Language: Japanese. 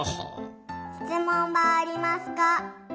しつもんはありますか？